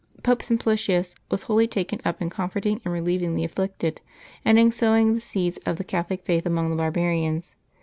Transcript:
Pope Simplicius was wholly taken up in comforting and relieving the afflicted, and in sowing the seeds of the Catholic faith among the barbarians.